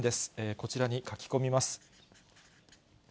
こちらに書き込みます。